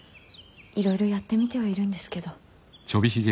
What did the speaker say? いろいろやってみてはいるんですけど。